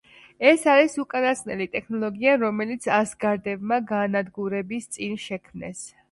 ეს არის უკანასკნელი ტექნოლოგია, რომელიც ასგარდებმა განადგურების წინ შექმნეს.